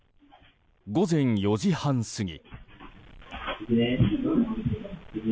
午前４時半過ぎ。